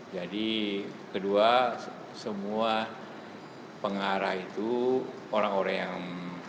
jadi kedua semua pengarah itu orang orang yang